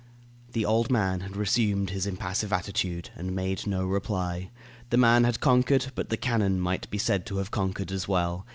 The old man had resumed his impassive attitude, and made no reply. The man had conquered, but the cannon might be said to have conquered as well.